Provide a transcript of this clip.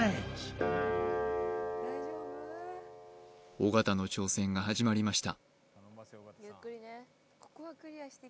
尾形の挑戦が始まりました